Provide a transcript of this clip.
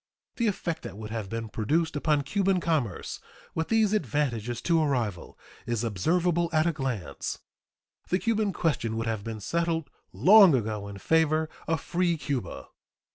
The effect that would have been produced upon Cuban commerce, with these advantages to a rival, is observable at a glance. The Cuban question would have been settled long ago in favor of "free Cuba."